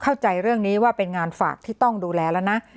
เข้าใจเรื่องนี้ว่าเป็นงานฝากที่ต้องดูแลแล้วนะ